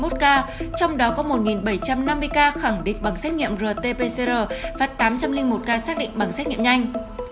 trong đó có một bảy trăm năm mươi ca khẳng định bằng xét nghiệm rt pcr và tám trăm linh một ca xác định bằng xét nghiệm nhanh